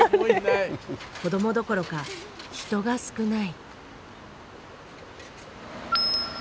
子どもどころか人が少ない。